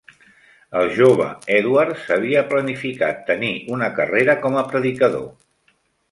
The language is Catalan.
El jove Edwards havia planificat tenir una carrera com a predicador.